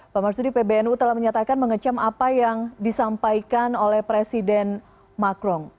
pak marsudi pbnu telah menyatakan mengecam apa yang disampaikan oleh presiden macron